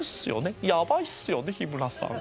やばいっすよね日村さん。